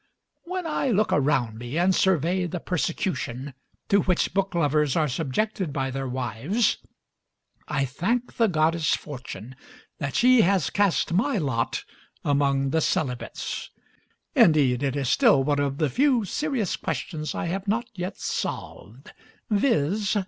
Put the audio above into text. When I look around me and survey the persecution to which book lovers are subjected by their wives, I thank the goddess Fortune that she has cast my lot among the celibates; indeed, it is still one of the few serious questions I have not yet solved, viz.